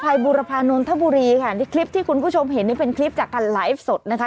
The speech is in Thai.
บุรพานนทบุรีค่ะนี่คลิปที่คุณผู้ชมเห็นนี่เป็นคลิปจากการไลฟ์สดนะคะ